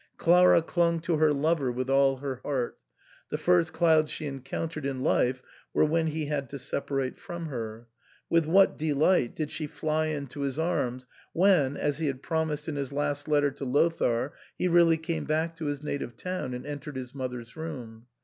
Clara clung to her lover with all her heart ; the first clouds she encountered in life were when he had to separate from her. With what delight did she fly into his arms when, as he had promised in his last letter to Lothair, he really came back to his native town and entered his mother's room